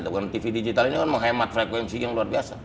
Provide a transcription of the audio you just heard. karena tv digital ini kan menghemat frekuensi yang luar biasa